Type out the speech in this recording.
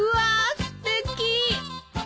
すてき！